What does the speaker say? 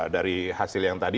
dari hasil yang tadi